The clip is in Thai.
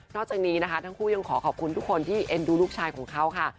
จากนี้นะคะทั้งคู่ยังขอขอบคุณทุกคนที่เอ็นดูลูกชายของเขาค่ะ